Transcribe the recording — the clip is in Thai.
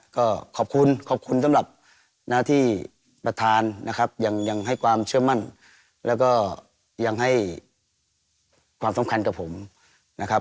ก็ขอบคุณขอบคุณสำหรับหน้าที่ประธานนะครับยังให้ความเชื่อมั่นแล้วก็ยังให้ความสำคัญกับผมนะครับ